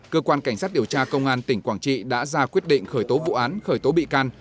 cơ quan cảnh sát điều tra công an tỉnh quảng trị đã ra quyết định khởi tố vụ án khởi tố bị can